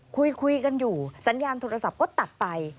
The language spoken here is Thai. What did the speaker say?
คุยกันอยู่สัญญาณโทรศัพท์ก็ตัดไป